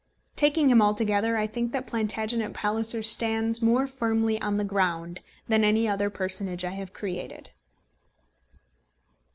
Taking him altogether, I think that Plantagenet Palliser stands more firmly on the ground than any other personage I have created.